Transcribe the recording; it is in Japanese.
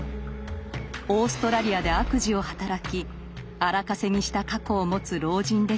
オーストラリアで悪事を働き荒稼ぎした過去を持つ老人でした。